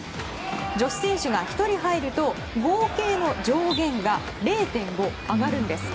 女子選手が１人入ると合計の上限が０．５上がるんです。